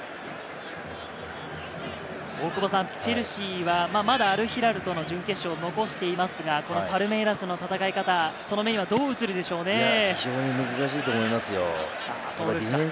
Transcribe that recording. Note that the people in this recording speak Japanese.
チェルシーはまだアルヒラルとの準決勝を残していますが、このパルメイラスの戦い方、その目にはどう映るでしょうかね？